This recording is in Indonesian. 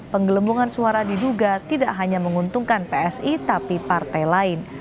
penggelembungan suara diduga tidak hanya menguntungkan psi tapi partai lain